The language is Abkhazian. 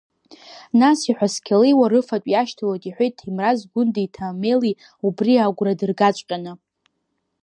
Нас иҳәасқьалеиуа рыфатә иашьҭалоит, — иҳәеит Ҭемраз, Гәындеи Ҭамели убри агәра дыргаҵәҟьаны.